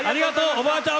おばあちゃん